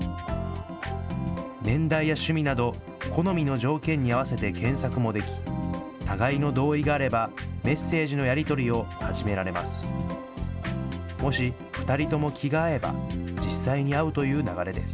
年代や趣味など、好みの条件に合わせて検索もでき、互いの同意があれば、メッセージのやり取りを始められます。